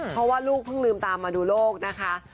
เพราะว่าลูกเพิ่งลืมตามมาดูโลกนะคะ